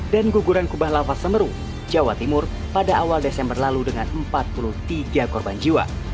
dan guguran kubah lava semeru jawa timur pada awal desember lalu dengan empat puluh tiga korban jiwa